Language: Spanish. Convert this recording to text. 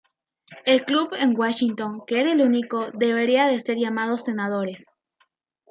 El club en Washington que era el único, debería de ser llamado Senadores.